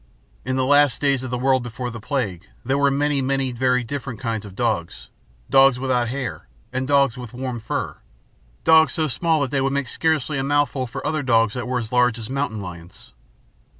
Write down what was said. In the last days of the world before the plague, there were many many very different kinds of dogs dogs without hair and dogs with warm fur, dogs so small that they would make scarcely a mouthful for other dogs that were as large as mountain lions.